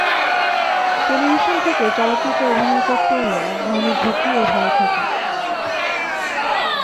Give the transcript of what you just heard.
Television থেকে চলচ্চিত্রে অভিনয় করতে এলে একধরনের ঝুঁকি ও ভয় থাকে।